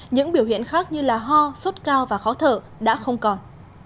những biểu hiện khác như ho sốt cao và khó thở đã không còn